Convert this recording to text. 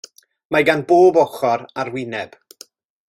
Mae gan bob ochr arwyneb.